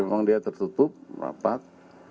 jadi memang dia tertutup merapat